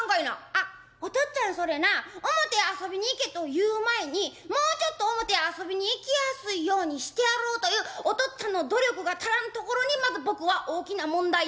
「あっおとっつぁんそれな表遊びに行けと言う前にもうちょっと表遊びに行きやすいようにしてやろうというおとっつぁんの努力が足らんところにまず僕は大きな問題を感じるわ」。